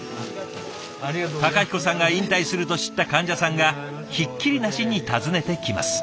孝彦さんが引退すると知った患者さんがひっきりなしに訪ねてきます。